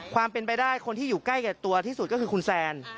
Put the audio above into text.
ความเป็นไปได้คนที่อยู่ใกล้กับตัวที่สุดก็คือคุณแซน